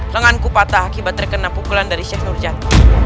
lenganku patah akibat terkena pukulan dari syekh nurjad